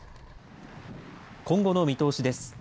今後の見通しです。